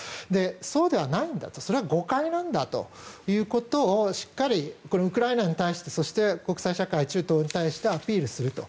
そうではないんだとそれは誤解なんだということをしっかりウクライナに対してそして、国際社会中東欧に対してアピールすると。